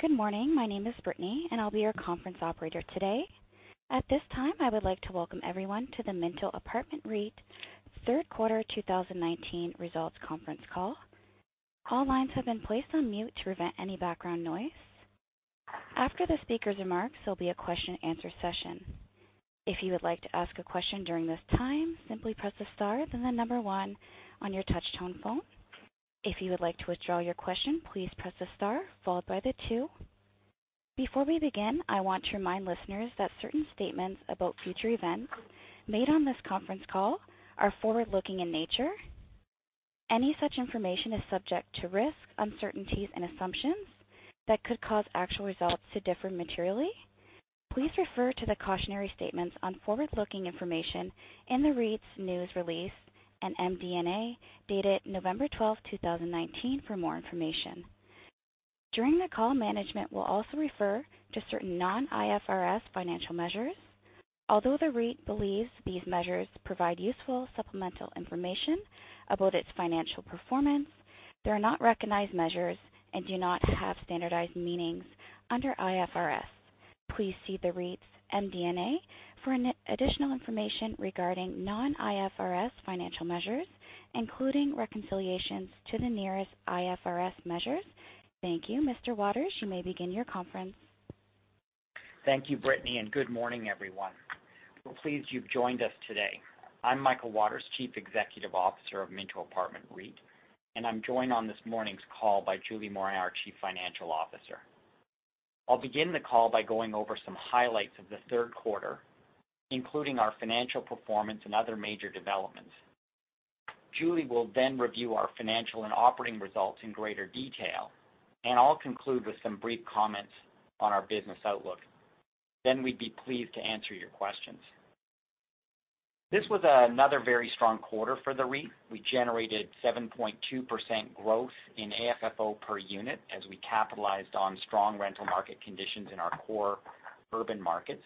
Good morning. My name is Brittany, and I'll be your conference operator today. At this time, I would like to welcome everyone to the Minto Apartment REIT third quarter 2019 results conference call. All lines have been placed on mute to prevent any background noise. After the speaker's remarks, there'll be a question and answer session. If you would like to ask a question during this time, simply press the star, then the number one on your touch-tone phone. If you would like to withdraw your question, please press the star followed by the two. Before we begin, I want to remind listeners that certain statements about future events made on this conference call are forward-looking in nature. Any such information is subject to risks, uncertainties, and assumptions that could cause actual results to differ materially. Please refer to the cautionary statements on forward-looking information in the REIT's news release and MD&A, dated November 12, 2019, for more information. During the call, management will also refer to certain non-IFRS financial measures. Although the REIT believes these measures provide useful supplemental information about its financial performance, they are not recognized measures and do not have standardized meanings under IFRS. Please see the REIT's MD&A for additional information regarding non-IFRS financial measures, including reconciliations to the nearest IFRS measures. Thank you. Mr. Waters, you may begin your conference. Thank you, Brittany, and good morning, everyone. We're pleased you've joined us today. I'm Michael Waters, Chief Executive Officer of Minto Apartment REIT. I'm joined on this morning's call by Julie Morin, our Chief Financial Officer. I'll begin the call by going over some highlights of the third quarter, including our financial performance and other major developments. Julie will then review our financial and operating results in greater detail. I'll conclude with some brief comments on our business outlook. We'd be pleased to answer your questions. This was another very strong quarter for the REIT. We generated 7.2% growth in AFFO per unit as we capitalized on strong rental market conditions in our core urban markets.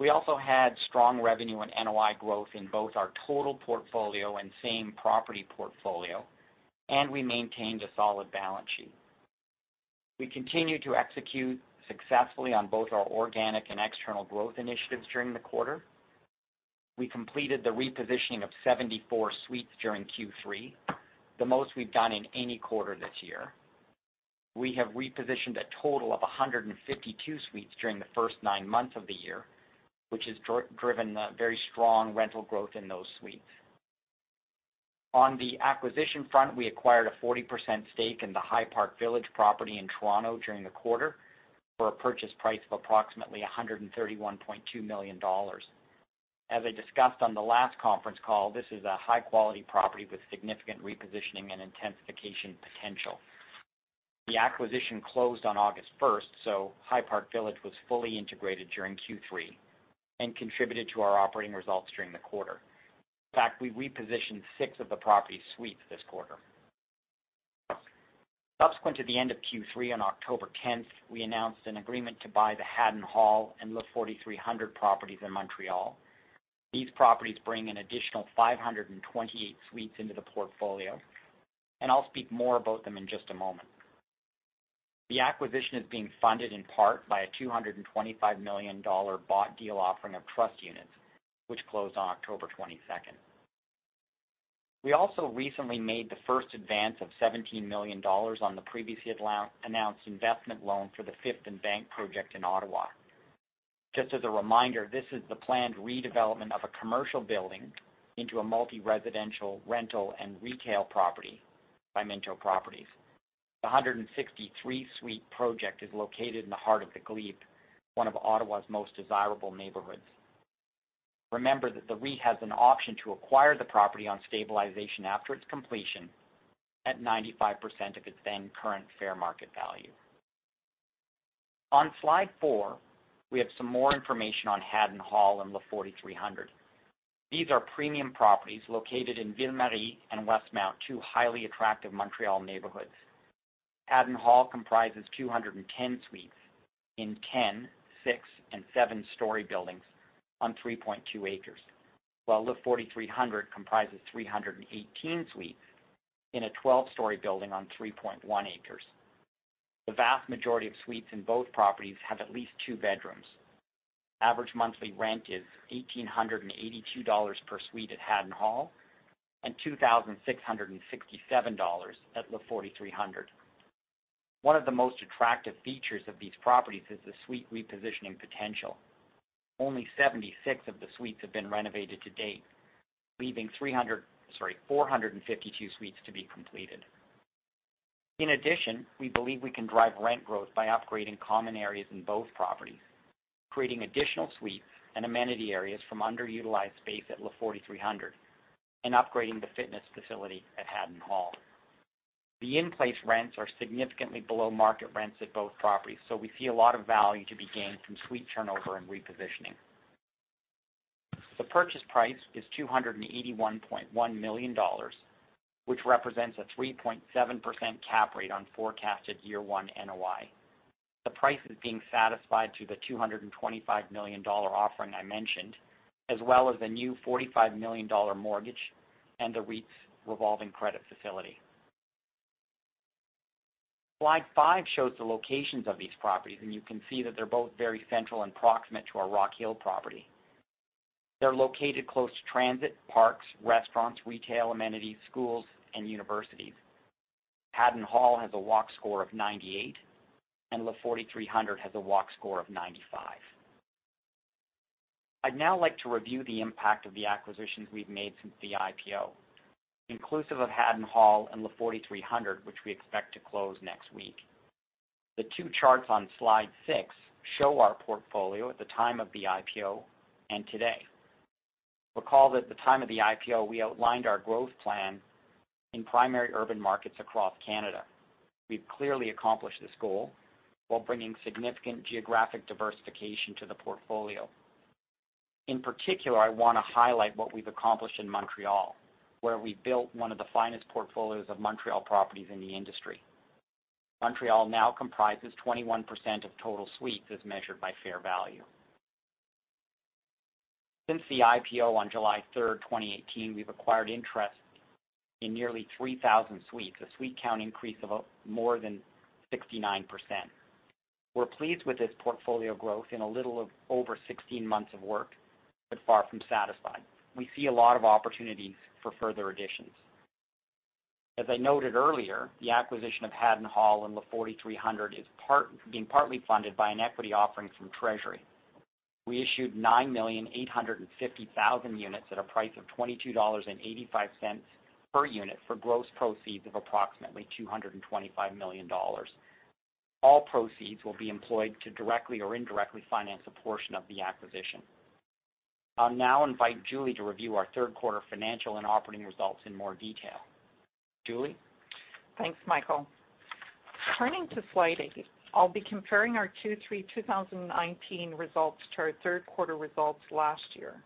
We also had strong revenue and NOI growth in both our total portfolio and same property portfolio. We maintained a solid balance sheet. We continued to execute successfully on both our organic and external growth initiatives during the quarter. We completed the repositioning of 74 suites during Q3, the most we've done in any quarter this year. We have repositioned a total of 152 suites during the first nine months of the year, which has driven very strong rental growth in those suites. On the acquisition front, we acquired a 40% stake in the High Park Village property in Toronto during the quarter for a purchase price of approximately 131.2 million dollars. As I discussed on the last conference call, this is a high-quality property with significant repositioning and intensification potential. High Park Village was fully integrated during Q3 and contributed to our operating results during the quarter. In fact, we repositioned six of the property's suites this quarter. Subsequent to the end of Q3 on October 10th, we announced an agreement to buy the Haddon Hall and Le 4300 properties in Montréal. These properties bring an additional 528 suites into the portfolio. I'll speak more about them in just a moment. The acquisition is being funded in part by a 225 million dollar bought deal offering of trust units, which closed on October 22nd. We also recently made the first advance of 17 million dollars on the previously announced investment loan for the Fifth and Bank project in Ottawa. Just as a reminder, this is the planned redevelopment of a commercial building into a multi-residential, rental, and retail property by Minto Properties. The 163-suite project is located in the heart of The Glebe, one of Ottawa's most desirable neighborhoods. Remember that the REIT has an option to acquire the property on stabilization after its completion at 95% of its then-current fair market value. On slide four, we have some more information on Haddon Hall and Le 4300. These are premium properties located in Ville-Marie and Westmount, two highly attractive Montréal neighborhoods. Haddon Hall comprises 210 suites in 10, six, and seven-story buildings on 3.2 acres, while Le 4300 comprises 318 suites in a 12-story building on 3.1 acres. The vast majority of suites in both properties have at least two bedrooms. Average monthly rent is 1,882 dollars per suite at Haddon Hall and 2,667 dollars at Le 4300. One of the most attractive features of these properties is the suite repositioning potential. Only 76 of the suites have been renovated to date, leaving 300, sorry, 452 suites to be completed. In addition, we believe we can drive rent growth by upgrading common areas in both properties, creating additional suites and amenity areas from underutilized space at Le 4300, and upgrading the fitness facility at Haddon Hall. The in-place rents are significantly below market rents at both properties, so we see a lot of value to be gained from suite turnover and repositioning. The purchase price is 281.1 million dollars, which represents a 3.7% cap rate on forecasted year one NOI. The price is being satisfied through the 225 million dollar offering I mentioned, as well as a new 45 million dollar mortgage. The REIT's revolving credit facility. Slide five shows the locations of these properties, and you can see that they're both very central and proximate to our Rockhill property. They're located close to transit, parks, restaurants, retail amenities, schools, and universities. Haddon Hall has a Walk Score of 98, and Le 4300 has a Walk Score of 95. I'd now like to review the impact of the acquisitions we've made since the IPO, inclusive of Haddon Hall and Le 4300, which we expect to close next week. The two charts on Slide six show our portfolio at the time of the IPO and today. Recall that at the time of the IPO, we outlined our growth plan in primary urban markets across Canada. We've clearly accomplished this goal while bringing significant geographic diversification to the portfolio. In particular, I want to highlight what we've accomplished in Montréal, where we built one of the finest portfolios of Montréal properties in the industry. Montréal now comprises 21% of total suites as measured by fair value. Since the IPO on July 3rd, 2018, we've acquired interest in nearly 3,000 suites, a suite count increase of more than 69%. We're pleased with this portfolio growth in a little over 16 months of work, but far from satisfied. We see a lot of opportunities for further additions. As I noted earlier, the acquisition of Haddon Hall and Le 4300 is being partly funded by an equity offering from Treasury. We issued 9,850,000 units at a price of 22.85 dollars per unit, for gross proceeds of approximately 225 million dollars. All proceeds will be employed to directly or indirectly finance a portion of the acquisition. I'll now invite Julie to review our third quarter financial and operating results in more detail. Julie? Thanks, Michael. Turning to Slide 8, I'll be comparing our Q3 2019 results to our third-quarter results last year.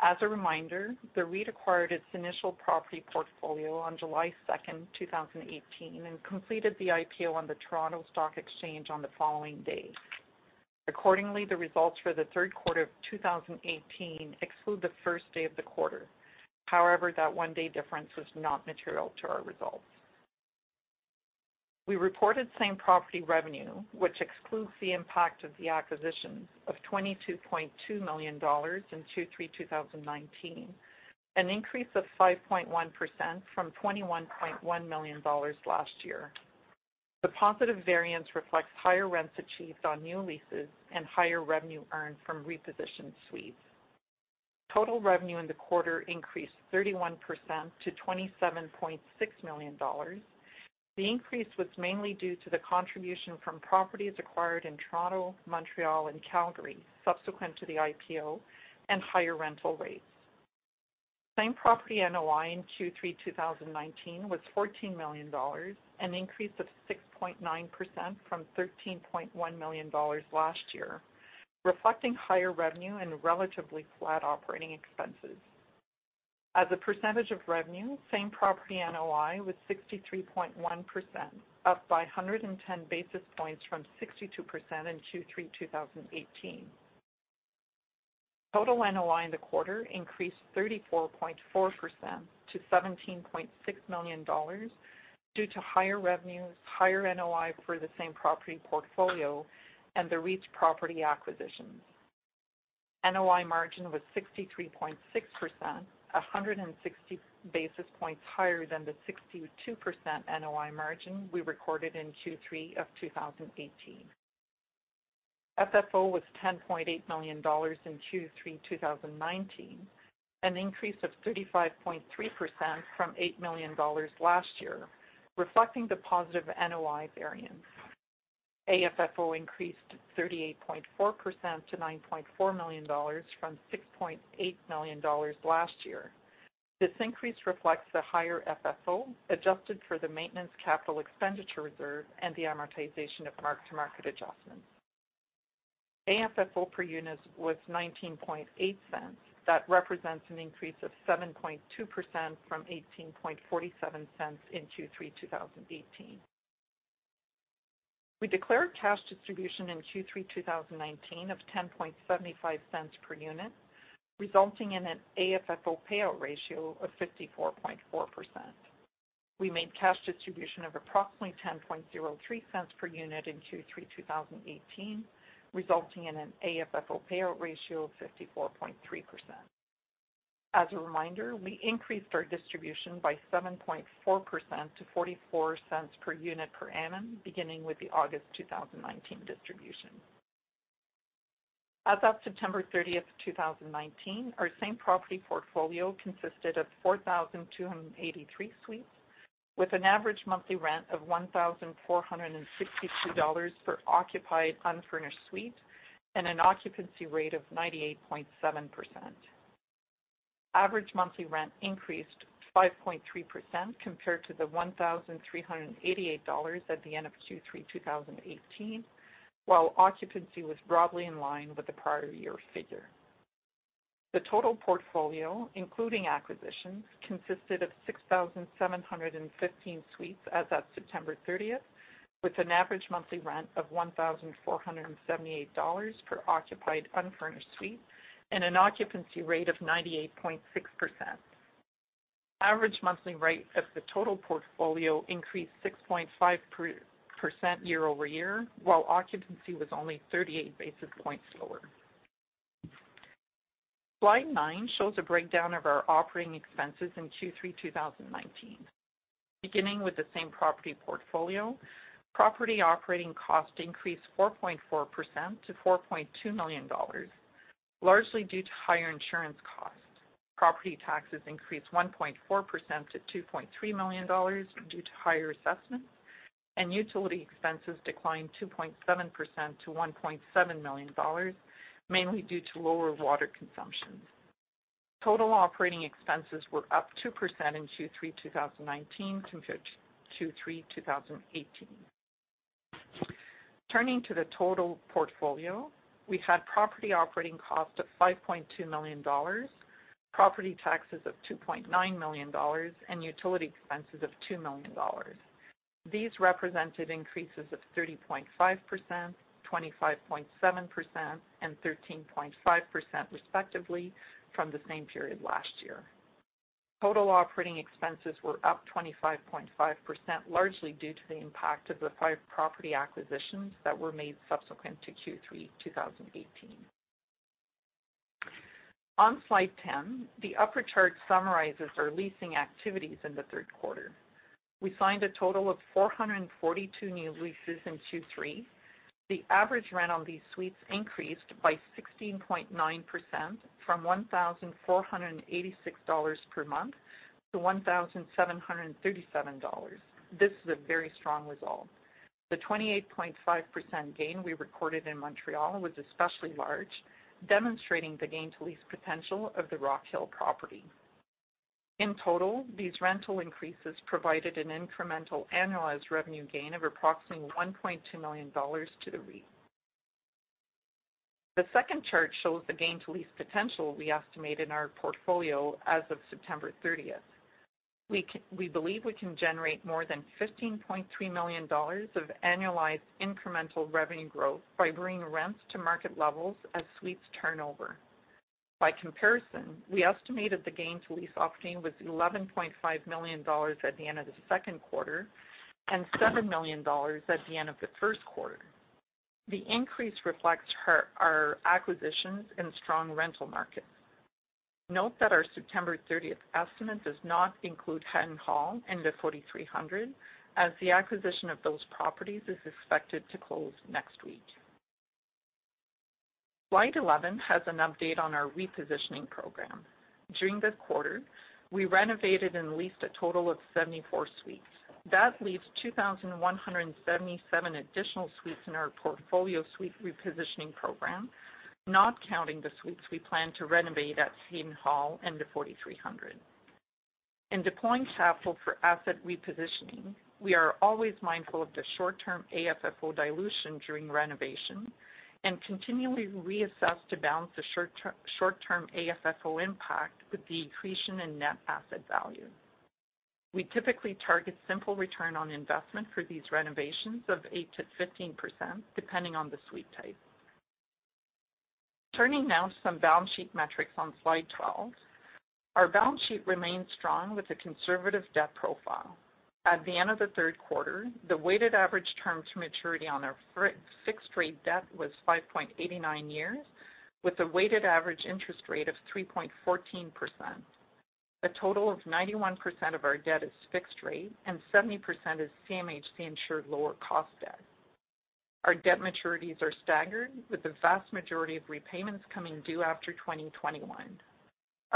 As a reminder, the REIT acquired its initial property portfolio on July 2nd, 2018. Completed the IPO on the Toronto Stock Exchange on the following day. Accordingly, the results for the third quarter of 2018 exclude the first day of the quarter. However, that one-day difference was not material to our results. We reported same property revenue, which excludes the impact of the acquisitions, of 22.2 million dollars in Q3 2019, an increase of 5.1% from 21.1 million dollars last year. The positive variance reflects higher rents achieved on new leases and higher revenue earned from repositioned suites. Total revenue in the quarter increased 31% to 27.6 million dollars. The increase was mainly due to the contribution from properties acquired in Toronto, Montreal, and Calgary subsequent to the IPO, and higher rental rates. Same property NOI in Q3 2019 was 14 million dollars, an increase of 6.9% from 13.1 million dollars last year, reflecting higher revenue and relatively flat operating expenses. As a percentage of revenue, same property NOI was 63.1%, up by 110 basis points from 62% in Q3 2018. Total NOI in the quarter increased 34.4% to 17.6 million dollars due to higher revenues, higher NOI for the same property portfolio, and the REIT's property acquisitions. NOI margin was 63.6%, 160 basis points higher than the 62% NOI margin we recorded in Q3 of 2018. FFO was 10.8 million dollars in Q3 2019, an increase of 35.3% from 8 million dollars last year, reflecting the positive NOI variance. AFFO increased 38.4% to 9.4 million dollars from 6.8 million dollars last year. This increase reflects the higher FFO, adjusted for the maintenance capital expenditure reserve and the amortization of mark-to-market adjustments. AFFO per unit was 0.198. That represents an increase of 7.2% from 0.1847 in Q3 2018. We declared cash distribution in Q3 2019 of 0.1075 per unit, resulting in an AFFO payout ratio of 54.4%. We made cash distribution of approximately 0.1003 per unit in Q3 2018, resulting in an AFFO payout ratio of 54.3%. As a reminder, we increased our distribution by 7.4% to 0.44 per unit per annum, beginning with the August 2019 distribution. As of September 30th, 2019, our same property portfolio consisted of 4,283 suites, with an average monthly rent of 1,462 dollars for occupied unfurnished suites and an occupancy rate of 98.7%. Average monthly rent increased 5.3% compared to the 1,388 dollars at the end of Q3 2018, while occupancy was broadly in line with the prior year's figure. The total portfolio, including acquisitions, consisted of 6,715 suites as of September 30th, with an average monthly rent of 1,478 dollars per occupied unfurnished suite and an occupancy rate of 98.6%. Average monthly rate of the total portfolio increased 6.5% year-over-year, while occupancy was only 38 basis points lower. Slide nine shows a breakdown of our operating expenses in Q3 2019. Beginning with the same property portfolio, property operating cost increased 4.4% to 4.2 million dollars, largely due to higher insurance costs. Property taxes increased 1.4% to 2.3 million dollars due to higher assessments, and utility expenses declined 2.7% to 1.7 million dollars, mainly due to lower water consumption. Total operating expenses were up 2% in Q3 2019 from Q3 2018. Turning to the total portfolio, we had property operating costs of 5.2 million dollars, property taxes of 2.9 million dollars, and utility expenses of 2 million dollars. These represented increases of 30.5%, 25.7%, and 13.5%, respectively, from the same period last year. Total operating expenses were up 25.5%, largely due to the impact of the five property acquisitions that were made subsequent to Q3 2018. On slide 10, the upper chart summarizes our leasing activities in the third quarter. We signed a total of 442 new leases in Q3. The average rent on these suites increased by 16.9% from 1,486 dollars per month to 1,737 dollars. This is a very strong result. The 28.5% gain we recorded in Montreal was especially large, demonstrating the gain to lease potential of the Rockhill property. In total, these rental increases provided an incremental annualized revenue gain of approximately 1.2 million dollars to the REIT. The second chart shows the gain to lease potential we estimate in our portfolio as of September 30th. We believe we can generate more than 15.3 million dollars of annualized incremental revenue growth by bringing rents to market levels as suites turn over. By comparison, we estimated the gain to lease opportunity was 11.5 million dollars at the end of the second quarter, and 7 million dollars at the end of the first quarter. The increase reflects our acquisitions and strong rental markets. Note that our September 30th estimate does not include Haddon Hall and Le 4300, as the acquisition of those properties is expected to close next week. Slide 11 has an update on our repositioning program. During this quarter, we renovated and leased a total of 74 suites. That leaves 2,177 additional suites in our portfolio suite repositioning program, not counting the suites we plan to renovate at Haddon Hall and Le 4300. In deploying capital for asset repositioning, we are always mindful of the short-term AFFO dilution during renovation, and continually reassess to balance the short-term AFFO impact with the accretion in net asset value. We typically target simple return on investment for these renovations of 8% to 15%, depending on the suite type. Turning now to some balance sheet metrics on Slide 12. Our balance sheet remains strong with a conservative debt profile. At the end of the third quarter, the weighted average term to maturity on our fixed-rate debt was 5.89 years with a weighted average interest rate of 3.14%. A total of 91% of our debt is fixed rate, and 70% is CMHC-insured lower cost debt. Our debt maturities are staggered, with the vast majority of repayments coming due after 2021.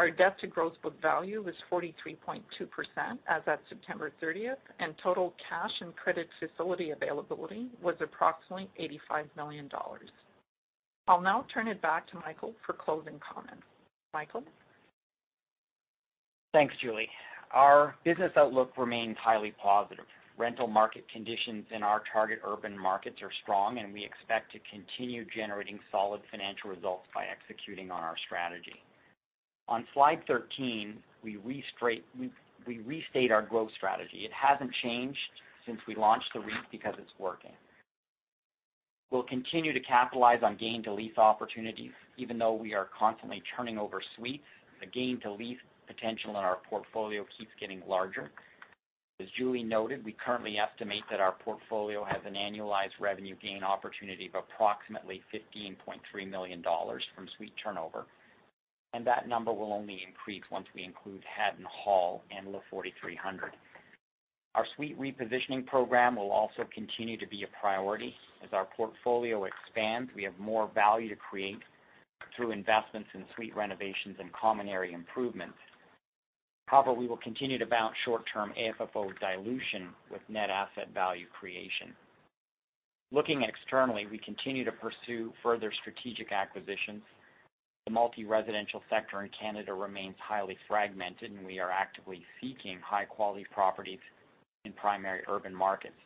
Our debt to gross book value was 43.2% as of September 30th, and total cash and credit facility availability was approximately 85 million dollars. I'll now turn it back to Michael for closing comments. Michael? Thanks, Julie. Our business outlook remains highly positive. Rental market conditions in our target urban markets are strong, and we expect to continue generating solid financial results by executing on our strategy. On slide 13, we restate our growth strategy. It hasn't changed since we launched the REIT because it's working. We'll continue to capitalize on gain to lease opportunities even though we are constantly turning over suites. The gain to lease potential in our portfolio keeps getting larger. As Julie noted, we currently estimate that our portfolio has an annualized revenue gain opportunity of approximately 15.3 million dollars from suite turnover, and that number will only increase once we include Haddon Hall and Le 4300. Our suite repositioning program will also continue to be a priority. As our portfolio expands, we have more value to create through investments in suite renovations and common area improvements. However, we will continue to balance short-term AFFO dilution with net asset value creation. Looking externally, we continue to pursue further strategic acquisitions. The multi-residential sector in Canada remains highly fragmented, and we are actively seeking high-quality properties in primary urban markets.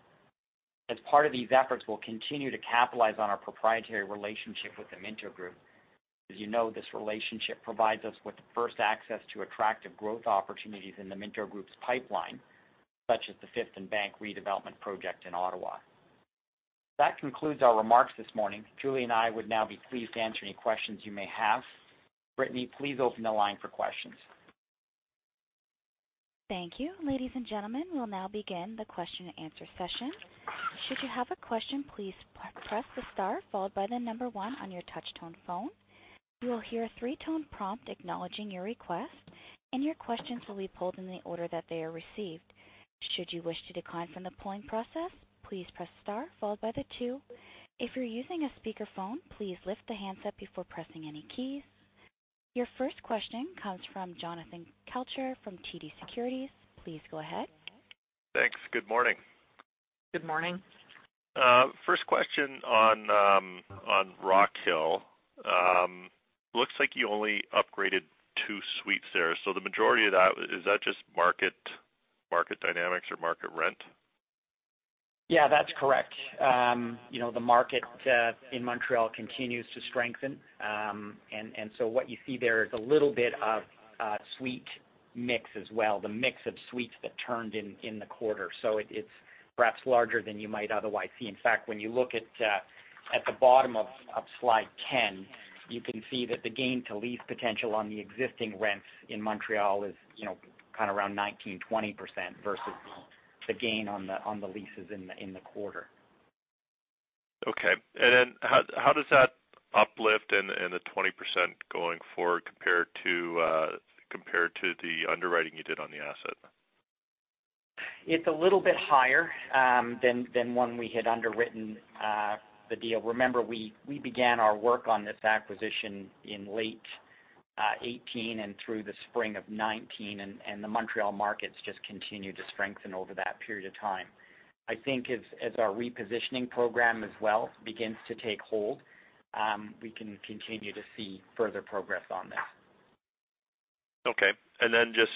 As part of these efforts, we'll continue to capitalize on our proprietary relationship with the Minto Group. As you know, this relationship provides us with first access to attractive growth opportunities in the Minto Group's pipeline, such as the Fifth and Bank redevelopment project in Ottawa. That concludes our remarks this morning. Julie and I would now be pleased to answer any questions you may have. Brittany, please open the line for questions. Thank you. Ladies and gentlemen, we will now begin the question and answer session. Should you have a question, please press the star followed by the number 1 on your touch-tone phone. You will hear a three-tone prompt acknowledging your request, and your questions will be pulled in the order that they are received. Should you wish to decline from the pulling process, please press star followed by the 2. If you are using a speakerphone, please lift the handset before pressing any keys. Your first question comes from Jonathan Kelcher from TD Securities. Please go ahead. Thanks. Good morning. Good morning. First question on Rockhill. Looks like you only upgraded two suites there. The majority of that, is that just market dynamics or market rent? Yeah, that's correct. The market in Montreal continues to strengthen. What you see there is a little bit of a suite mix as well, the mix of suites that turned in the quarter. It's perhaps larger than you might otherwise see. In fact, when you look at the bottom of slide 10, you can see that the gain to lease potential on the existing rents in Montreal is around 19%-20% versus the gain on the leases in the quarter. Okay. How does that uplift and the 20% going forward compare to the underwriting you did on the asset? It's a little bit higher than when we had underwritten the deal. Remember, we began our work on this acquisition in late 2018 and through the spring of 2019. The Montréal markets just continued to strengthen over that period of time. I think as our repositioning program as well begins to take hold, we can continue to see further progress on that. Okay. Just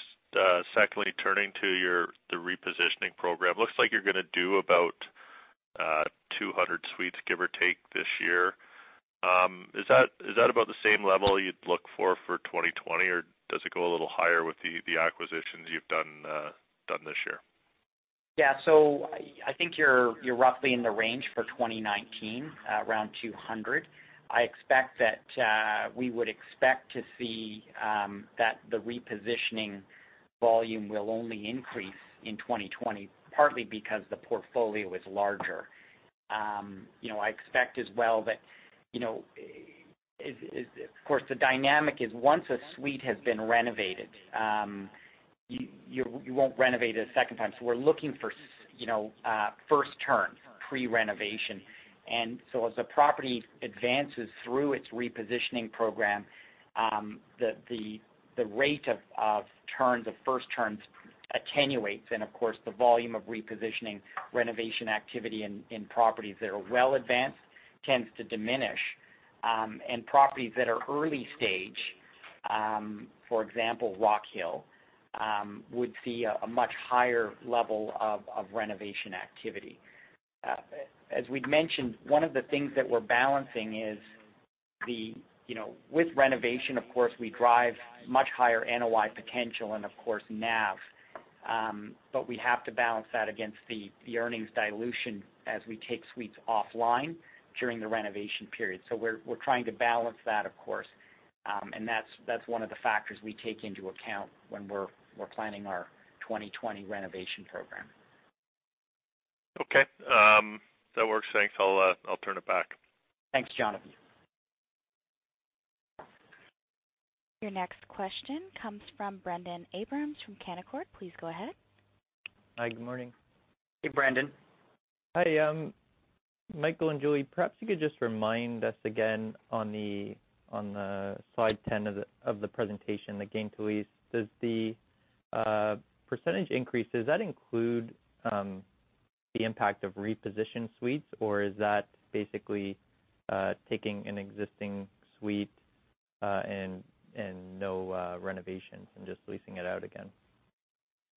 secondly, turning to the repositioning program. Looks like you're going to do about 200 suites, give or take, this year. Is that about the same level you'd look for for 2020, or does it go a little higher with the acquisitions you've done this year? I think you're roughly in the range for 2019, around 200. We would expect to see that the repositioning volume will only increase in 2020, partly because the portfolio is larger. Of course, the dynamic is once a suite has been renovated, you won't renovate it a second time. We're looking for first turns, pre-renovation. As the property advances through its repositioning program, the rate of first turns attenuates. Of course, the volume of repositioning renovation activity in properties that are well advanced tends to diminish. Properties that are early stage, for example, Rockhill, would see a much higher level of renovation activity. As we'd mentioned, one of the things that we're balancing is with renovation, of course, we drive much higher NOI potential and of course, NAV. We have to balance that against the earnings dilution as we take suites offline during the renovation period. We're trying to balance that, of course. That's one of the factors we take into account when we're planning our 2020 renovation program. Okay. That works. Thanks. I'll turn it back. Thanks, Jonathan. Your next question comes from Brendon Abrams from Canaccord. Please go ahead. Hi, good morning. Hey, Brendon. Hi. Michael and Julie, perhaps you could just remind us again on slide 10 of the presentation, the gain to lease. Does the percentage increase, does that include the impact of repositioned suites, or is that basically taking an existing suite and no renovations and just leasing it out again?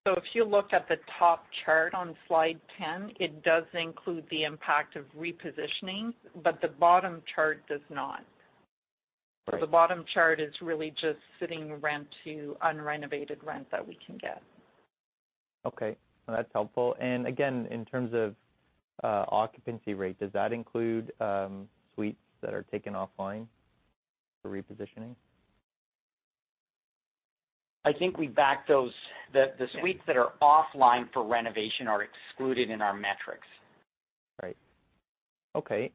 If you look at the top chart on slide 10, it does include the impact of repositioning, but the bottom chart does not. Right. The bottom chart is really just sitting rent to unrenovated rent that we can get. Okay. No, that's helpful. Again, in terms of occupancy rate, does that include suites that are taken offline for repositioning? I think we back those. The suites that are offline for renovation are excluded in our metrics. Right. Okay.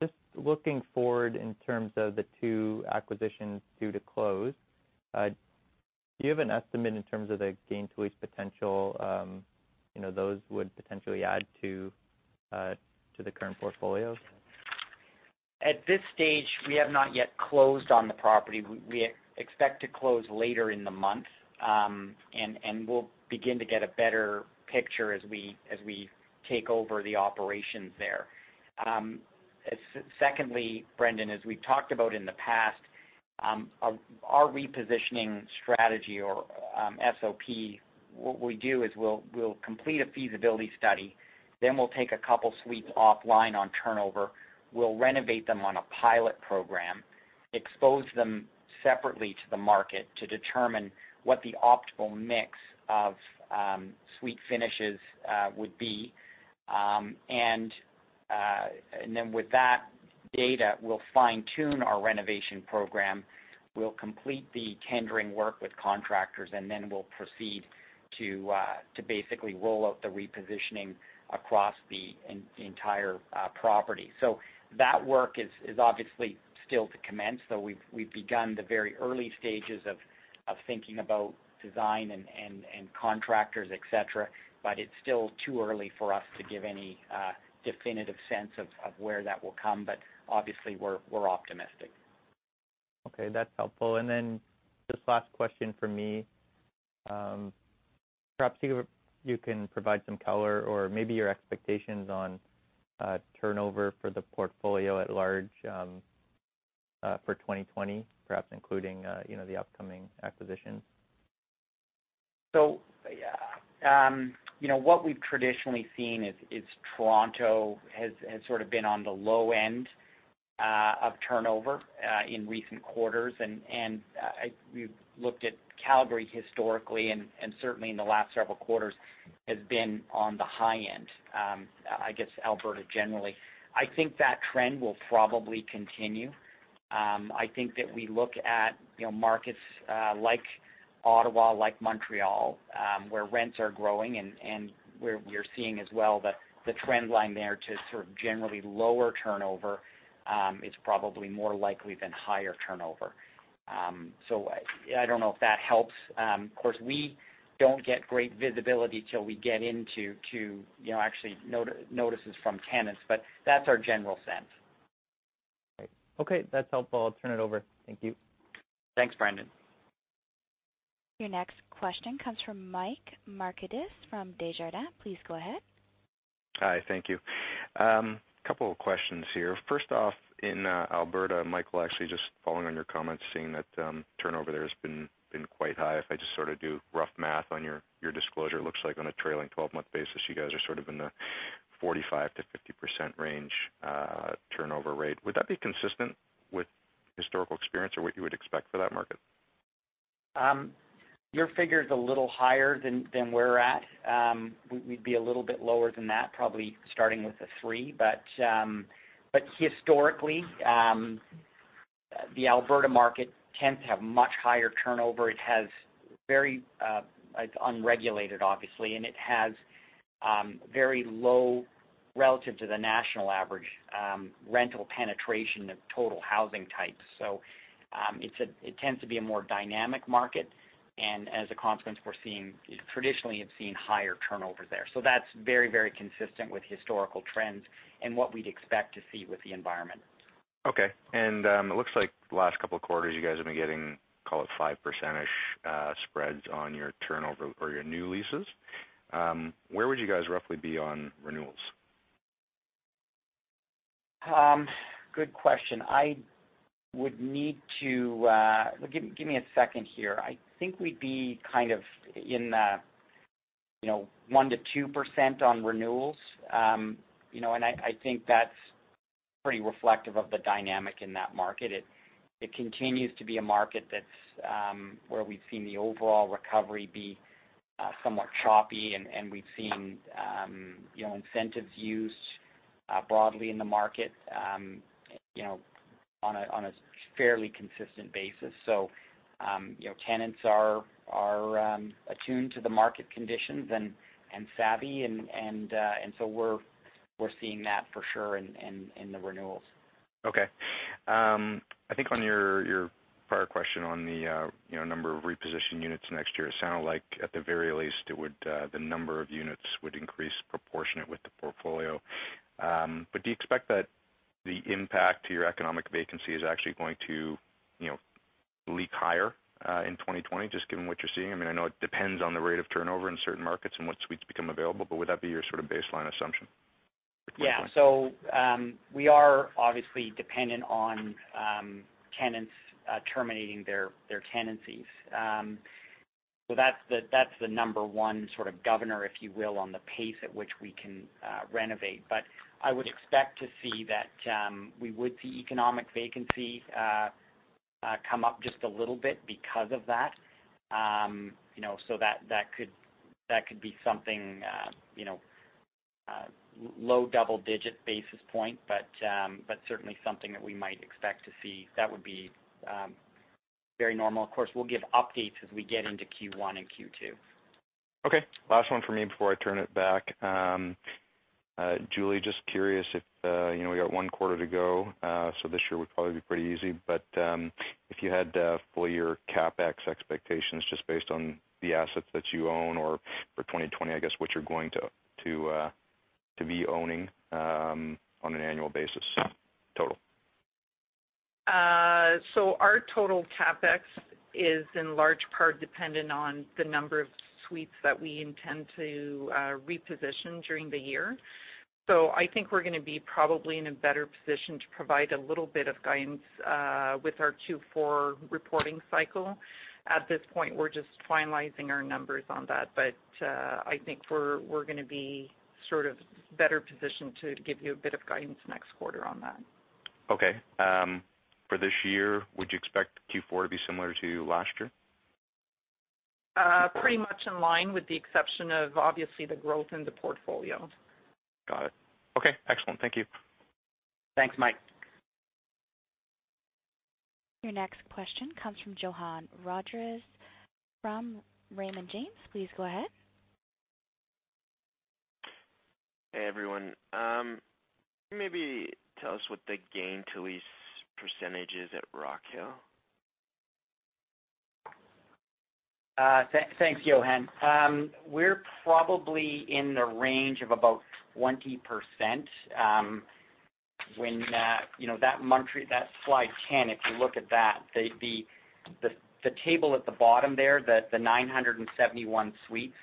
Just looking forward in terms of the two acquisitions due to close, do you have an estimate in terms of the gain-to-lease potential those would potentially add to the current portfolios? At this stage, we have not yet closed on the property. We expect to close later in the month. We'll begin to get a better picture as we take over the operations there. Secondly, Brendon, as we've talked about in the past, our repositioning strategy or SOP, what we do is we'll complete a feasibility study, then we'll take a couple suites offline on turnover. We'll renovate them on a pilot program. Expose them separately to the market to determine what the optimal mix of suite finishes would be. Then with that data, we'll fine-tune our renovation program, we'll complete the tendering work with contractors, then we'll proceed to basically roll out the repositioning across the entire property. That work is obviously still to commence, though we've begun the very early stages of thinking about design and contractors, et cetera. It's still too early for us to give any definitive sense of where that will come. Obviously, we're optimistic. Okay, that's helpful. Just last question from me. Perhaps you can provide some color or maybe your expectations on turnover for the portfolio at large for 2020, perhaps including the upcoming acquisitions. What we've traditionally seen is Toronto has sort of been on the low end of turnover in recent quarters. We've looked at Calgary historically, and certainly in the last several quarters has been on the high end, I guess Alberta generally. I think that trend will probably continue. I think that we look at markets like Ottawa, like Montreal, where rents are growing and where we're seeing as well the trend line there to sort of generally lower turnover is probably more likely than higher turnover. I don't know if that helps. Of course, we don't get great visibility till we get into actually notices from tenants, but that's our general sense. Great. Okay, that's helpful. I'll turn it over. Thank you. Thanks, Brendon. Your next question comes from Mike Markidis from Desjardins. Please go ahead. Hi. Thank you. Couple of questions here. First off, in Alberta, Michael, actually just following on your comments, seeing that turnover there has been quite high. If I just sort of do rough math on your disclosure, it looks like on a trailing 12-month basis, you guys are sort of in the 45%-50% range turnover rate. Would that be consistent with historical experience or what you would expect for that market? Your figure's a little higher than we're at. We'd be a little bit lower than that, probably starting with a three. Historically, the Alberta market tends to have much higher turnover. It's unregulated, obviously, and it has very low relative to the national average rental penetration of total housing types. It tends to be a more dynamic market. As a consequence, we traditionally have seen higher turnover there. That's very, very consistent with historical trends and what we'd expect to see with the environment. Okay. It looks like the last couple of quarters you guys have been getting, call it 5% spreads on your turnover or your new leases. Where would you guys roughly be on renewals? Good question. Give me a second here. I think we'd be kind of in the 1% to 2% on renewals. I think that's pretty reflective of the dynamic in that market. It continues to be a market where we've seen the overall recovery be somewhat choppy, and we've seen incentives used broadly in the market on a fairly consistent basis. Tenants are attuned to the market conditions and savvy and so we're seeing that for sure in the renewals. Okay. I think on your prior question on the number of reposition units next year, it sounded like at the very least the number of units would increase proportionate with the portfolio. Do you expect that the impact to your economic vacancy is actually going to leak higher in 2020 just given what you're seeing? I know it depends on the rate of turnover in certain markets and what suites become available, but would that be your sort of baseline assumption at this point? Yeah. We are obviously dependent on tenants terminating their tenancies. That's the number one sort of governor, if you will, on the pace at which we can renovate. I would expect to see that we would see economic vacancies come up just a little bit because of that. That could be something low double-digit basis point, but certainly something that we might expect to see. That would be very normal. Of course, we'll give updates as we get into Q1 and Q2. Okay. Last one for me before I turn it back. Julie, just curious if, we got one quarter to go, so this year would probably be pretty easy, but if you had full-year CapEx expectations just based on the assets that you own or for 2020, I guess, what you're going to be owning on an annual basis total? Our total CapEx is in large part dependent on the number of suites that we intend to reposition during the year. I think we're going to be probably in a better position to provide a little bit of guidance with our Q4 reporting cycle. At this point, we're just finalizing our numbers on that. I think we're going to be sort of better positioned to give you a bit of guidance next quarter on that. Okay. For this year, would you expect Q4 to be similar to last year? Pretty much in line with the exception of, obviously, the growth in the portfolio. Got it. Okay, excellent. Thank you. Thanks, Mike. Your next question comes from Johann Rodrigues from Raymond James. Please go ahead. Hey, everyone. Can you maybe tell us what the gain to lease percentage is at Rockhill? Thanks, Johann. We're probably in the range of about 20%. That slide 10, if you look at that, the table at the bottom there, the 971 suites,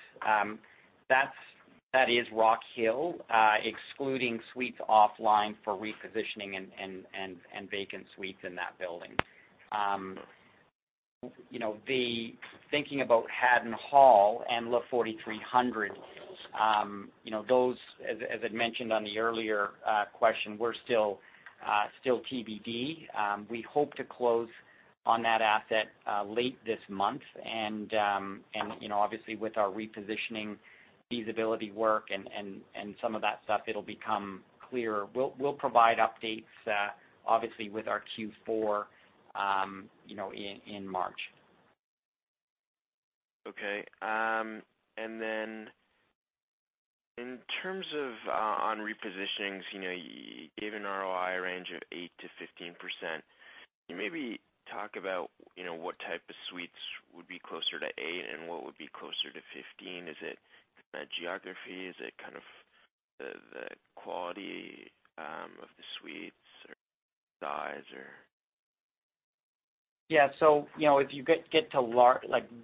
that is Rockhill, excluding suites offline for repositioning and vacant suites in that building. Thinking about Haddon Hall and Le 4300, those, as I'd mentioned on the earlier question, were still TBD. We hope to close on that asset late this month and, obviously, with our repositioning feasibility work and some of that stuff, it'll become clearer. We'll provide updates, obviously, with our Q4 in March. Okay. In terms of on repositionings, you gave an ROI range of 8%-15%. Can you maybe talk about what type of suites would be closer to 8 and what would be closer to 15? Is it the geography? Is it the quality of the suites or size or? Yeah.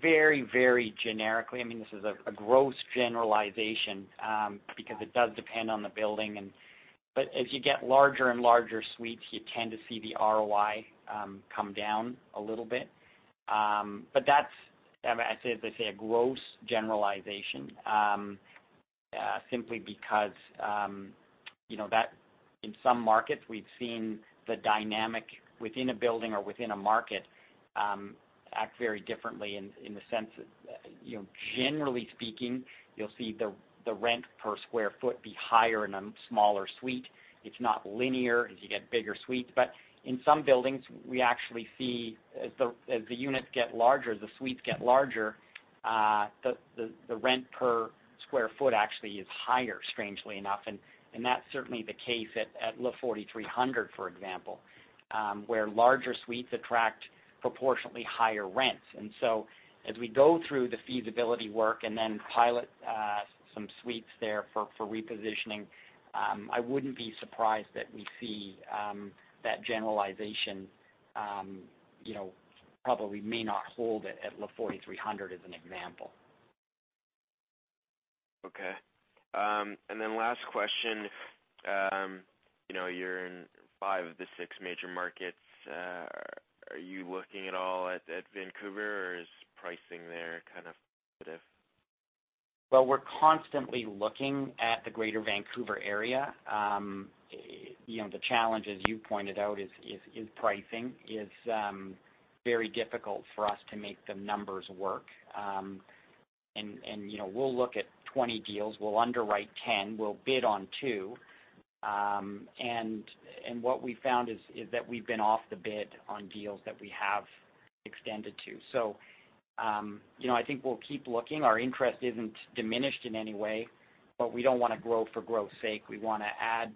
Very, very generically, I mean, this is a gross generalization because it does depend on the building. As you get larger and larger suites, you tend to see the ROI come down a little bit. That's, as I say, a gross generalization. Simply because in some markets we've seen the dynamic within a building or within a market act very differently in the sense that, generally speaking, you'll see the rent per square foot be higher in a smaller suite. It's not linear as you get bigger suites. In some buildings, we actually see as the units get larger, the suites get larger, the rent per square foot actually is higher, strangely enough. That's certainly the case at Le 4300, for example, where larger suites attract proportionately higher rents. As we go through the feasibility work and then pilot some suites there for repositioning, I wouldn't be surprised that we see that generalization probably may not hold at Le 4300 as an example. Okay. Last question. You're in five of the six major markets. Are you looking at all at Vancouver, or is pricing there kind of? Well, we're constantly looking at the greater Vancouver area. The challenge, as you pointed out, is pricing. It's very difficult for us to make the numbers work. We'll look at 20 deals. We'll underwrite 10. We'll bid on two. What we've found is that we've been off the bid on deals that we have extended to. I think we'll keep looking. Our interest isn't diminished in any way. We don't want to grow for growth's sake. We want to add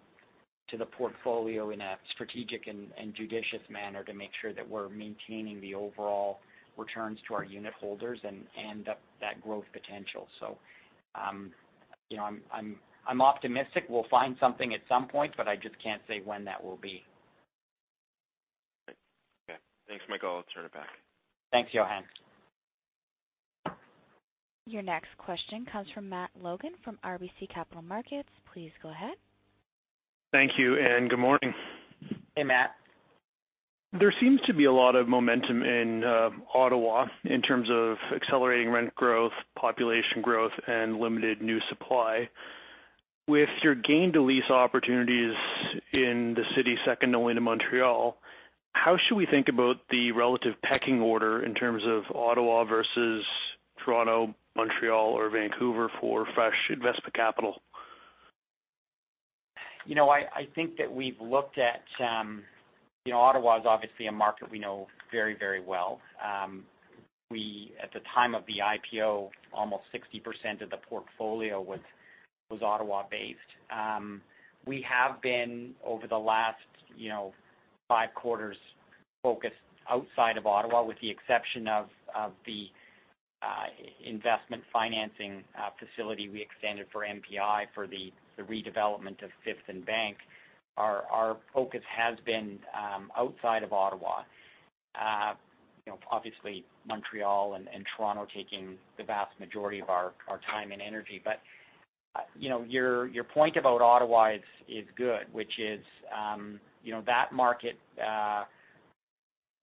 to the portfolio in a strategic and judicious manner to make sure that we're maintaining the overall returns to our unitholders and that growth potential. I'm optimistic we'll find something at some point, but I just can't say when that will be. Great. Okay. Thanks, Michael. I'll turn it back. Thanks, Johann. Your next question comes from Matt Logan from RBC Capital Markets. Please go ahead. Thank you, and good morning. Hey, Matt. There seems to be a lot of momentum in Ottawa in terms of accelerating rent growth, population growth, and limited new supply. With your gain to lease opportunities in the city second only to Montreal, how should we think about the relative pecking order in terms of Ottawa versus Toronto, Montreal, or Vancouver for fresh investment capital? Ottawa is obviously a market we know very, very well. At the time of the IPO, almost 60% of the portfolio was Ottawa based. We have been, over the last five quarters, focused outside of Ottawa with the exception of the investment financing facility we extended for MPI for the redevelopment of Fifth and Bank. Our focus has been outside of Ottawa. Obviously Montréal and Toronto taking the vast majority of our time and energy. Your point about Ottawa is good, which is that market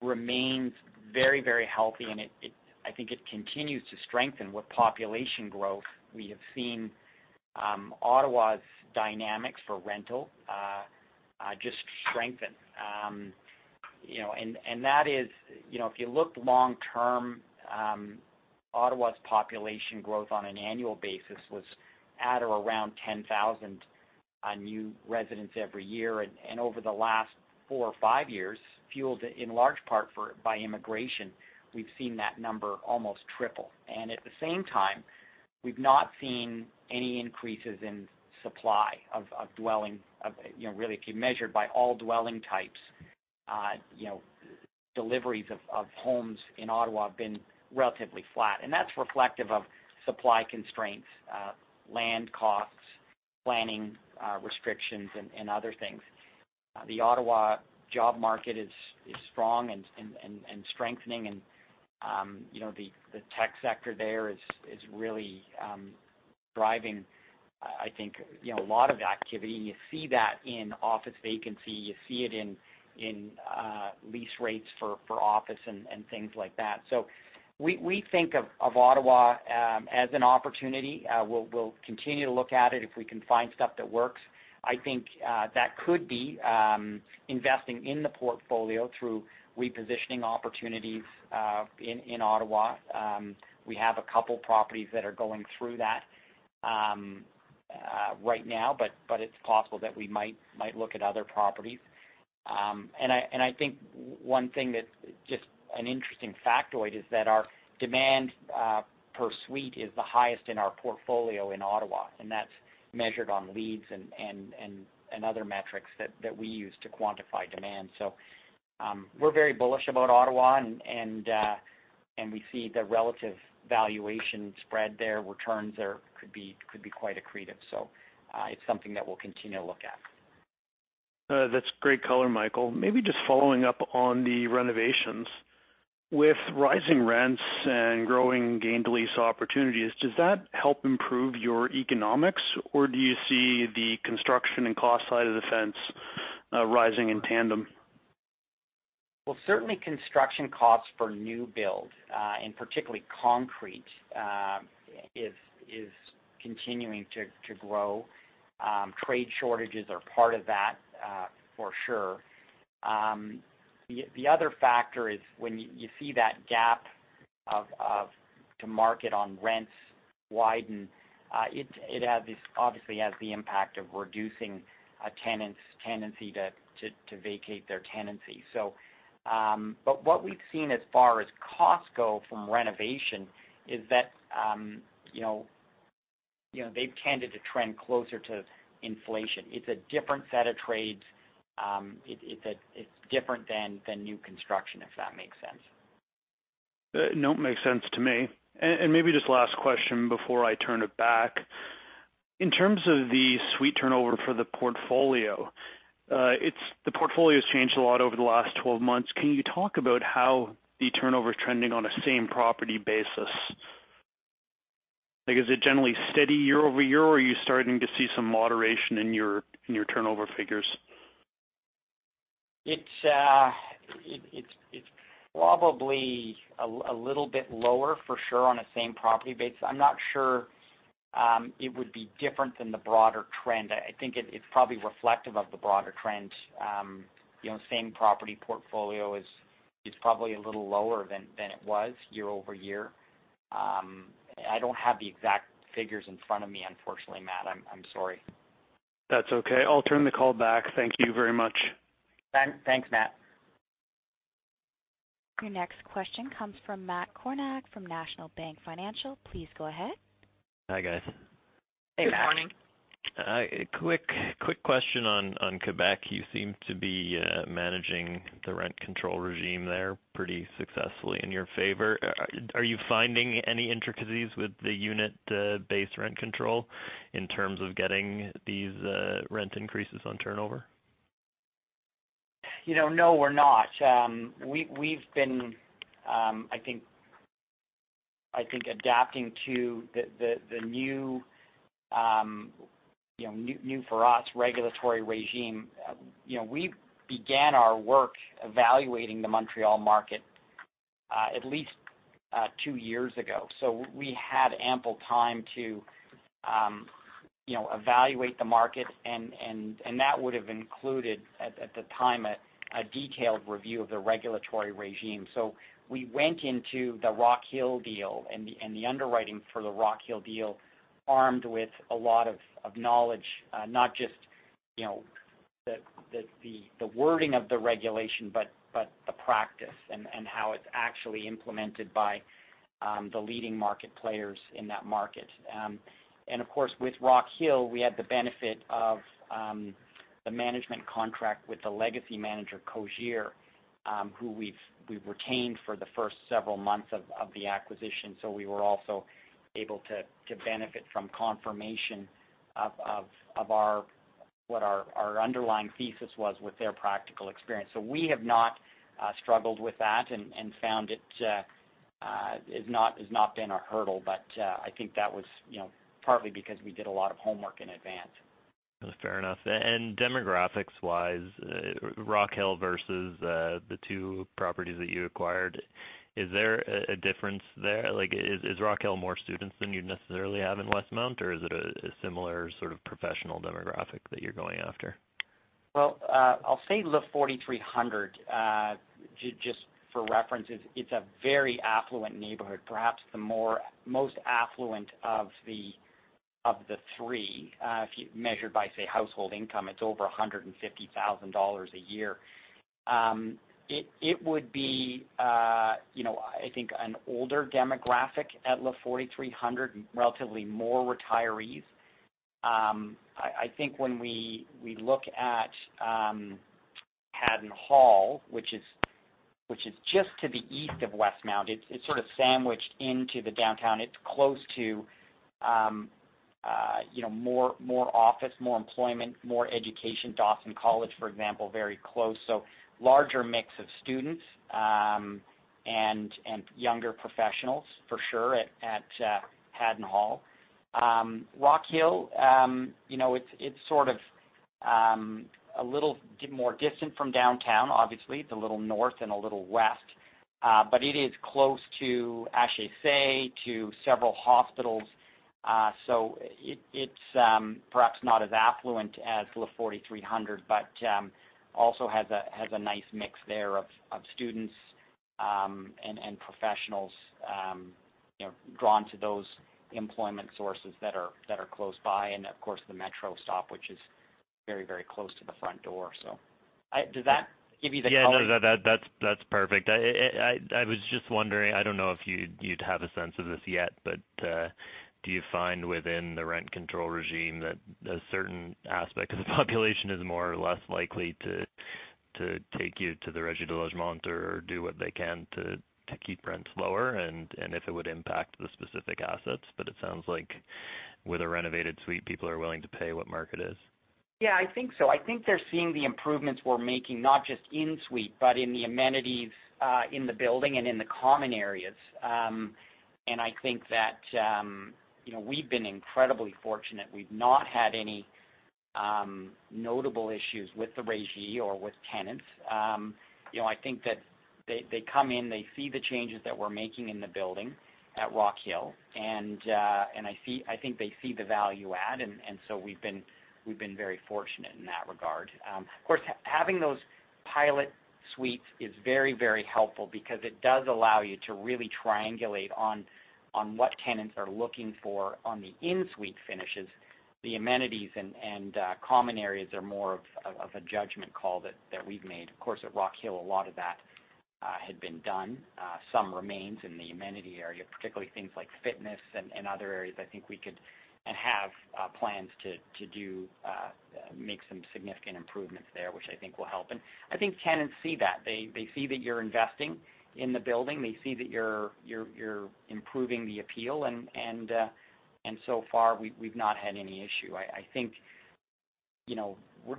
remains very, very healthy, and I think it continues to strengthen with population growth. We have seen Ottawa's dynamics for rental just strengthen. That is, if you look long term, Ottawa's population growth on an annual basis was at or around 10,000 new residents every year. Over the last four or five years, fueled in large part by immigration, we've seen that number almost triple. At the same time, we've not seen any increases in supply of dwelling, really if you measured by all dwelling types, deliveries of homes in Ottawa have been relatively flat. That's reflective of supply constraints, land costs, planning restrictions, and other things. The Ottawa job market is strong and strengthening and the tech sector there is really driving, I think, a lot of activity. You see that in office vacancy. You see it in lease rates for office and things like that. We think of Ottawa as an opportunity. We'll continue to look at it if we can find stuff that works. I think that could be investing in the portfolio through repositioning opportunities in Ottawa. We have a couple properties that are going through that right now, but it's possible that we might look at other properties. I think one thing that's just an interesting factoid is that our demand per suite is the highest in our portfolio in Ottawa, and that's measured on leads and other metrics that we use to quantify demand. We're very bullish about Ottawa and we see the relative valuation spread there, returns there could be quite accretive. It's something that we'll continue to look at. That's great color, Michael. Maybe just following up on the renovations. With rising rents and growing gain to lease opportunities, does that help improve your economics, or do you see the construction and cost side of the fence rising in tandem? Well, certainly construction costs for new build, and particularly concrete, is continuing to grow. Trade shortages are part of that, for sure. The other factor is when you see that gain to lease widen, it obviously has the impact of reducing a tenant's tendency to vacate their tenancy. But what we've seen as far as costs go from renovation is that they've tended to trend closer to inflation. It's a different set of trades. It's different than new construction, if that makes sense. No, it makes sense to me. Maybe just last question before I turn it back. In terms of the suite turnover for the portfolio, the portfolio's changed a lot over the last 12 months. Can you talk about how the turnover's trending on a same-property basis? Like, is it generally steady year-over-year, or are you starting to see some moderation in your turnover figures? It's probably a little bit lower for sure on a same-property basis. I'm not sure it would be different than the broader trend. I think it's probably reflective of the broader trend. Same-property portfolio is probably a little lower than it was year-over-year. I don't have the exact figures in front of me, unfortunately, Matt. I'm sorry. That's okay. I'll turn the call back. Thank you very much. Thanks, Matt. Your next question comes from Matt Kornack from National Bank Financial. Please go ahead. Hi, guys. Hey, Matt. Good morning. Quick question on Quebec. You seem to be managing the rent control regime there pretty successfully in your favor. Are you finding any intricacies with the unit-based rent control in terms of getting these rent increases on turnover? No, we're not. We've been, I think, adapting to the new, for us, regulatory regime. We began our work evaluating the Montréal market at least two years ago. We had ample time to evaluate the market, and that would've included, at the time, a detailed review of the regulatory regime. We went into the Rockhill deal and the underwriting for the Rockhill deal armed with a lot of knowledge, not just the wording of the regulation, but the practice and how it's actually implemented by the leading market players in that market. Of course, with Rockhill, we had the benefit of the management contract with the legacy manager, Cogir, who we've retained for the first several months of the acquisition. We were also able to benefit from confirmation of what our underlying thesis was with their practical experience. We have not struggled with that and found it has not been a hurdle, but I think that was partly because we did a lot of homework in advance. Fair enough. Demographics-wise, Rockhill versus the two properties that you acquired, is there a difference there? Is Rockhill more students than you'd necessarily have in Westmount, or is it a similar sort of professional demographic that you're going after? Well, I'll say Le 4300 just for reference. It's a very affluent neighborhood, perhaps the most affluent of the three. If you measured by, say, household income, it's over 150,000 dollars a year. It would be I think, an older demographic at Le 4300, relatively more retirees. I think when we look at Haddon Hall, which is just to the east of Westmount, it's sort of sandwiched into the downtown. It's close to more office, more employment, more education. Dawson College, for example, very close. Larger mix of students and younger professionals, for sure, at Haddon Hall. Rockhill, it's sort of a little more distant from downtown. Obviously. It's a little north and a little west. It is close to HEC, to several hospitals. It's perhaps not as affluent as Le 4300, but also has a nice mix there of students and professionals drawn to those employment sources that are close by, and of course, the Metro stop, which is very close to the front door. Does that give you the color? That's perfect. I was just wondering, I don't know if you'd have a sense of this yet, do you find within the rent control regime that a certain aspect of the population is more or less likely to take you to the Régie du logement or do what they can to keep rents lower and if it would impact the specific assets. It sounds like with a renovated suite, people are willing to pay what market is. Yeah, I think so. I think they're seeing the improvements we're making, not just in-suite, but in the amenities in the building and in the common areas. I think that we've been incredibly fortunate. We've not had any notable issues with the Régie or with tenants. I think that they come in, they see the changes that we're making in the building at Rockhill, and I think they see the value-add, and so we've been very fortunate in that regard. Of course, having those pilot suites is very helpful because it does allow you to really triangulate on what tenants are looking for on the in-suite finishes, the amenities and common areas are more of a judgment call that we've made. Of course, at Rockhill, a lot of that had been done. Some remains in the amenity area, particularly things like fitness and other areas I think we could and have plans to make some significant improvements there, which I think will help. I think tenants see that. They see that you're investing in the building. They see that you're improving the appeal. So far, we've not had any issue. I think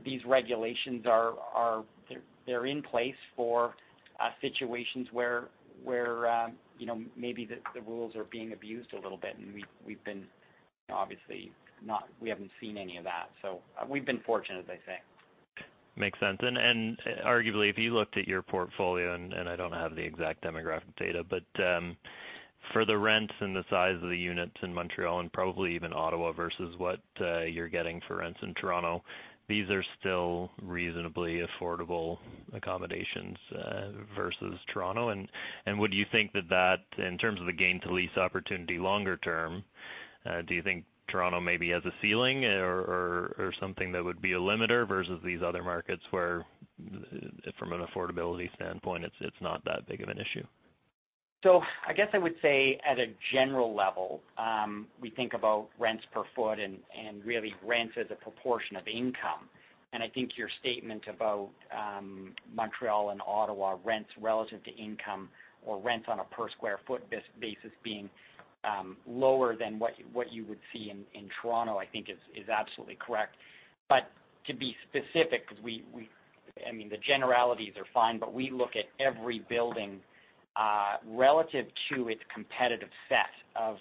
these regulations, they're in place for situations where maybe the rules are being abused a little bit, and we've obviously haven't seen any of that. We've been fortunate, as I say. Makes sense. Arguably, if you looked at your portfolio, and I don't have the exact demographic data, but for the rents and the size of the units in Montréal and probably even Ottawa versus what you're getting for rents in Toronto, these are still reasonably affordable accommodations versus Toronto. Would you think that that, in terms of the gain to lease opportunity longer term, do you think Toronto maybe has a ceiling or something that would be a limiter versus these other markets where from an affordability standpoint, it's not that big of an issue? I guess I would say at a general level, we think about rents per foot and really rents as a proportion of income. I think your statement about Montréal and Ottawa rents relative to income or rents on a per square foot basis being lower than what you would see in Toronto, I think is absolutely correct. To be specific, because the generalities are fine, but we look at every building relative to its competitive set of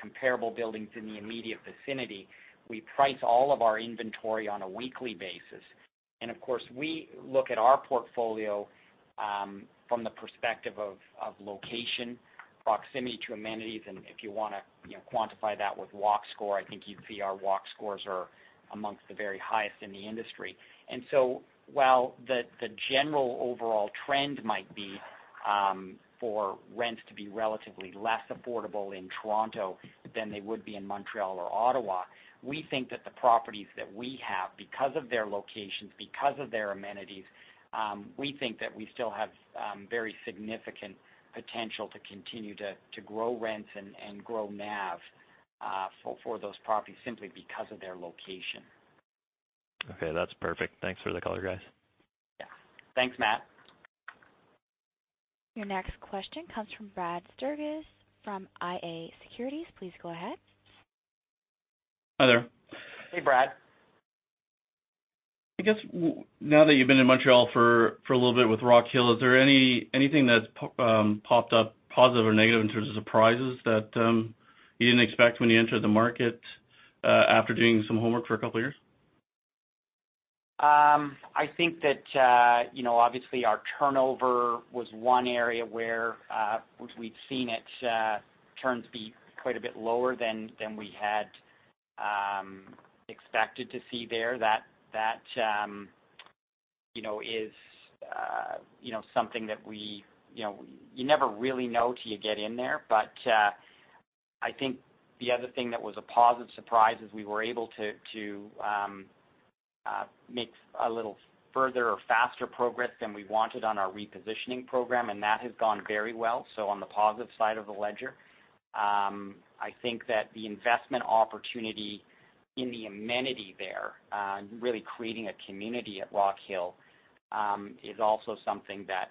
comparable buildings in the immediate vicinity. We price all of our inventory on a weekly basis. Of course, we look at our portfolio from the perspective of location, proximity to amenities, and if you want to quantify that with Walk Score, I think you'd see our Walk Scores are amongst the very highest in the industry. While the general overall trend might be for rents to be relatively less affordable in Toronto than they would be in Montreal or Ottawa, we think that the properties that we have, because of their locations, because of their amenities, we think that we still have very significant potential to continue to grow rents and grow NAV for those properties simply because of their location. Okay, that's perfect. Thanks for the color, guys. Yeah. Thanks, Matt. Your next question comes from Brad Sturges from iA Securities. Please go ahead. Hi there. Hey, Brad. I guess now that you've been in Montreal for a little bit with Rockhill, is there anything that's popped up positive or negative in terms of surprises that you didn't expect when you entered the market after doing some homework for a couple of years? I think that obviously our turnover was one area where we'd seen its turns be quite a bit lower than we had expected to see there. That is something that you never really know till you get in there. I think the other thing that was a positive surprise is we were able to make a little further or faster progress than we wanted on our repositioning program, and that has gone very well. On the positive side of the ledger, I think that the investment opportunity in the amenity there, really creating a community at Rockhill, is also something that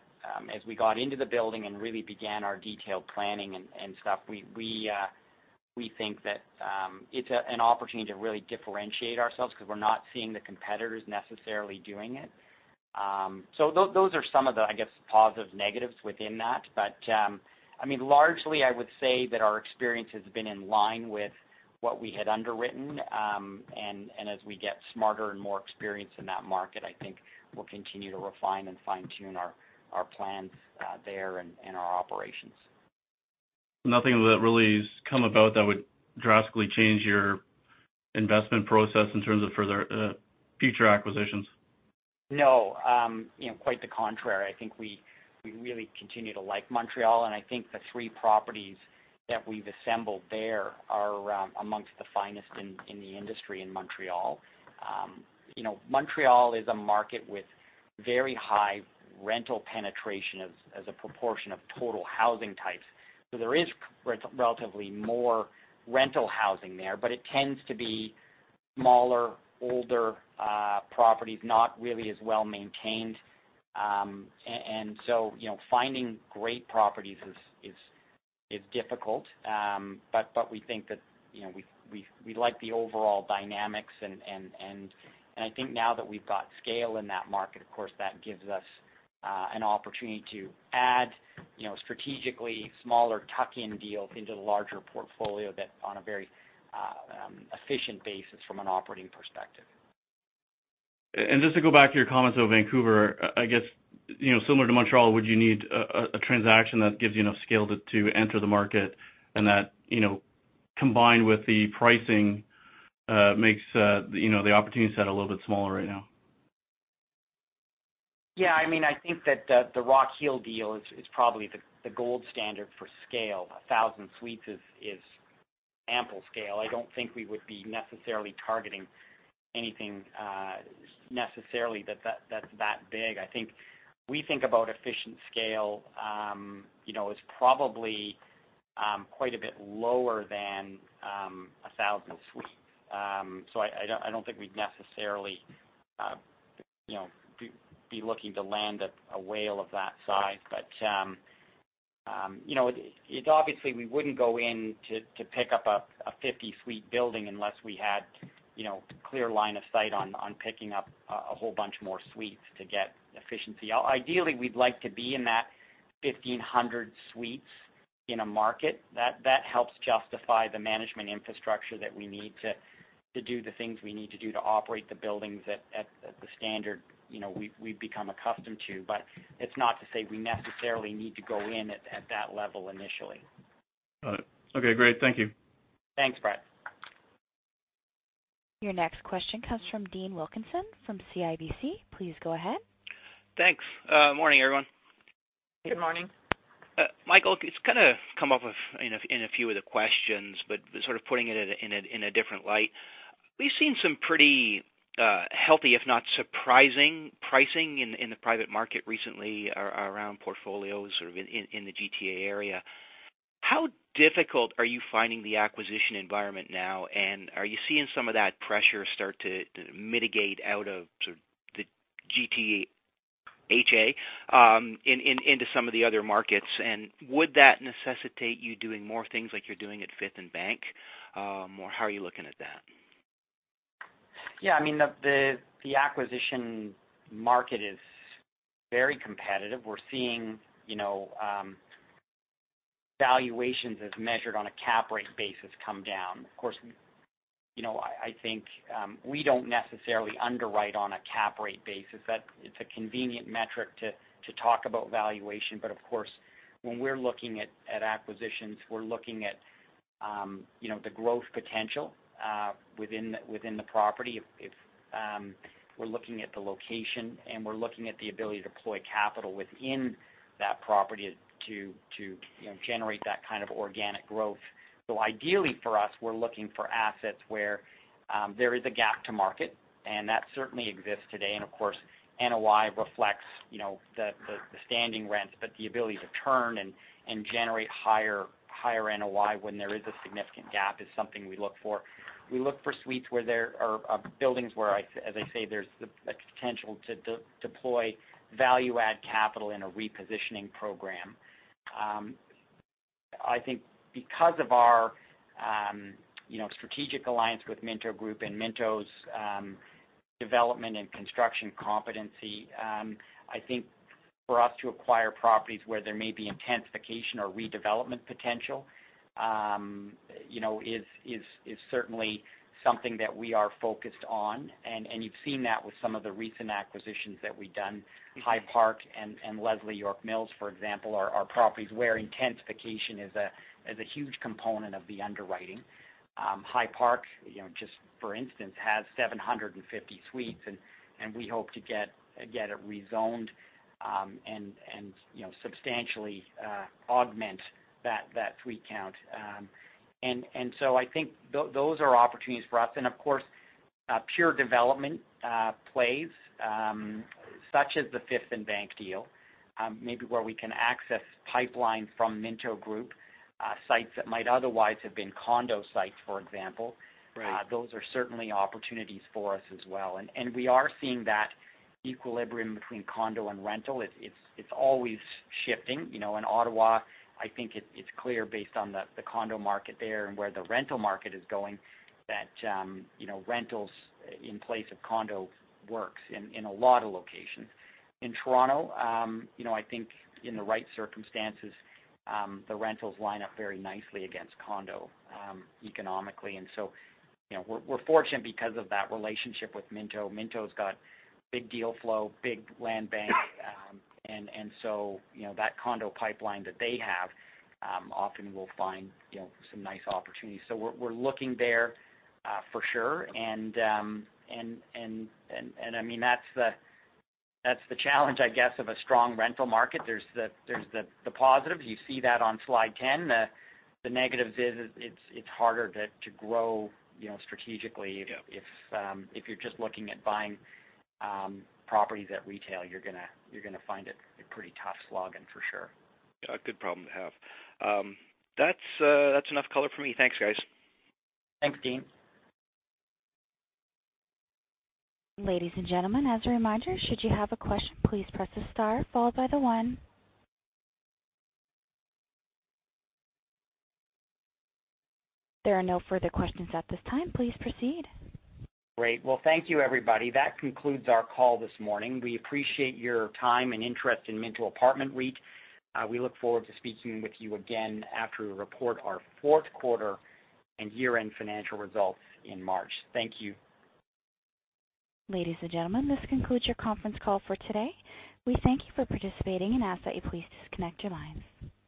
as we got into the building and really began our detailed planning and stuff, we think that it's an opportunity to really differentiate ourselves because we're not seeing the competitors necessarily doing it. Those are some of the, I guess, positives, negatives within that. Largely, I would say that our experience has been in line with what we had underwritten. As we get smarter and more experienced in that market, I think we'll continue to refine and fine-tune our plans there and our operations. Nothing that really has come about that would drastically change your investment process in terms of future acquisitions? No. Quite the contrary. I think we really continue to like Montreal, and I think the three properties that we've assembled there are amongst the finest in the industry in Montreal. Montreal is a market with very high rental penetration as a proportion of total housing types. There is relatively more rental housing there, but it tends to be smaller, older properties, not really as well-maintained. Finding great properties is difficult. We think that we like the overall dynamics, and I think now that we've got scale in that market, of course, that gives us an opportunity to add strategically smaller tuck-in deals into the larger portfolio on a very efficient basis from an operating perspective. Just to go back to your comments about Vancouver, I guess, similar to Montréal, would you need a transaction that gives you enough scale to enter the market and that, combined with the pricing, makes the opportunity set a little bit smaller right now? Yeah. I think that the Rockhill deal is probably the gold standard for scale. 1,000 suites is ample scale. I don't think we would be necessarily targeting anything necessarily that's that big. We think about efficient scale as probably quite a bit lower than 1,000 suites. I don't think we'd necessarily be looking to land a whale of that size. Obviously, we wouldn't go in to pick up a 50-suite building unless we had clear line of sight on picking up a whole bunch more suites to get efficiency. Ideally, we'd like to be in that 1,500 suites in a market. That helps justify the management infrastructure that we need to do the things we need to do to operate the buildings at the standard we've become accustomed to. It's not to say we necessarily need to go in at that level initially. Got it. Okay, great. Thank you. Thanks, Brad. Your next question comes from Dean Wilkinson from CIBC. Please go ahead. Thanks. Morning, everyone. Good morning. Michael, it's kind of come up in a few of the questions, but sort of putting it in a different light. We've seen some pretty healthy, if not surprising, pricing in the private market recently around portfolios sort of in the GTA area. How difficult are you finding the acquisition environment now, and are you seeing some of that pressure start to mitigate out of sort of the GTHA into some of the other markets, and would that necessitate you doing more things like you're doing at Fifth and Bank, or how are you looking at that? Yeah. The acquisition market is very competitive. We're seeing valuations as measured on a cap rate basis come down. Of course, I think we don't necessarily underwrite on a cap rate basis. It's a convenient metric to talk about valuation. Of course, when we're looking at acquisitions, we're looking at the growth potential within the property. We're looking at the location, and we're looking at the ability to deploy capital within that property to generate that kind of organic growth. Ideally, for us, we're looking for assets where there is a gap to market, and that certainly exists today. Of course, NOI reflects the standing rents. The ability to turn and generate higher NOI when there is a significant gap is something we look for. We look for buildings where, as I say, there's a potential to deploy value-add capital in a repositioning program. I think because of our strategic alliance with Minto Group and Minto's development and construction competency, I think for us to acquire properties where there may be intensification or redevelopment potential is certainly something that we are focused on. You've seen that with some of the recent acquisitions that we've done. High Park and Leslie/York Mills, for example, are properties where intensification is a huge component of the underwriting. High Park, just for instance, has 750 suites, and we hope to get it rezoned and substantially augment that suite count. I think those are opportunities for us. Of course, pure development plays, such as the Fifth and Bank deal, maybe where we can access pipelines from Minto Group, sites that might otherwise have been condo sites, for example. Right. Those are certainly opportunities for us as well. We are seeing that equilibrium between condo and rental. It's always shifting. In Ottawa, I think it's clear based on the condo market there and where the rental market is going, that rentals in place of condo works in a lot of locations. In Toronto, I think in the right circumstances, the rentals line up very nicely against condo economically. We're fortunate because of that relationship with Minto. Minto's got big deal flow, big land bank. That condo pipeline that they have often will find some nice opportunities. We're looking there for sure. That's the challenge, I guess, of a strong rental market. There's the positives. You see that on slide 10. The negatives is it's harder to grow strategically. Yeah. If you're just looking at buying properties at retail, you're going to find it a pretty tough slog in for sure. Yeah. A good problem to have. That's enough color for me. Thanks, guys. Thanks, Dean. Ladies and gentlemen, as a reminder, should you have a question, please press the star followed by the one. There are no further questions at this time. Please proceed. Great. Thank you everybody. That concludes our call this morning. We appreciate your time and interest in Minto Apartment REIT. We look forward to speaking with you again after we report our fourth quarter and year-end financial results in March. Thank you. Ladies and gentlemen, this concludes your conference call for today. We thank you for participating and ask that you please disconnect your lines.